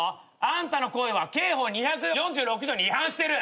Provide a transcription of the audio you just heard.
あんたの行為は刑法２４６条に違反してる。